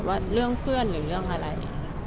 ว่าเรื่องเพื่อนหรือเรื่องอะไร